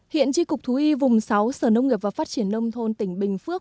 hiện tri cục thú y vùng sáu sở nông nghiệp và phát triển nông thôn tỉnh bình phước